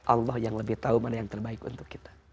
allah yang lebih tahu mana yang terbaik untuk kita